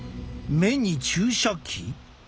目に注射器！？